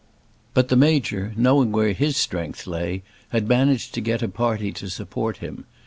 But the Major, knowing where his strength lay, had managed to get a party to support him.